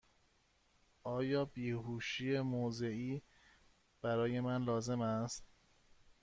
آیا بیهوشی موضعی برای من لازم است؟